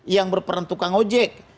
yang berperan tukang ojek